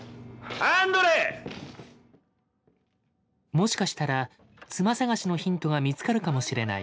もしかしたら妻探しのヒントが見つかるかもしれない。